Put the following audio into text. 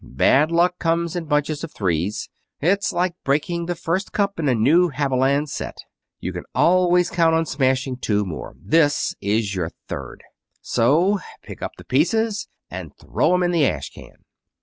Bad luck comes in bunches of threes. It's like breaking the first cup in a new Haviland set. You can always count on smashing two more. This is your third. So pick up the pieces and throw 'em in the ash can."